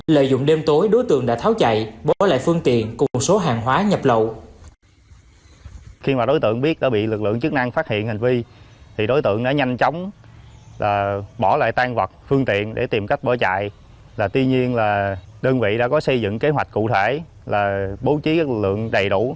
lợi dụng đêm tối đối tượng đã tháo chạy bỏ lại phương tiện cùng số hàng hóa nhập lậu